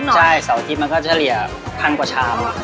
ใช่เสาร์อาทิตย์มันก็จะเฉลี่ยพันกว่าชาม